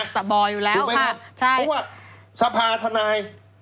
เพราะว่าสภาธนาย